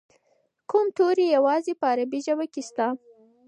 کوم توري یوازې په عربي ژبه کې شته؟